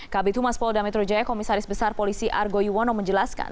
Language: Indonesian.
kabit humas polda metro jaya komisaris besar polisi argo yuwono menjelaskan